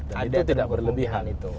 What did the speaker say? dan itu tidak berlebihan